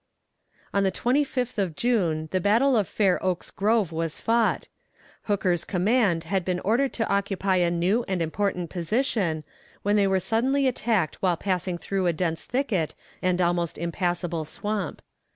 On the twenty fifth of June the battle of Fair Oaks Grove was fought. Hooker's command had been ordered to occupy a new and important position, when they were suddenly attacked while passing through a dense thicket and almost impassable swamp.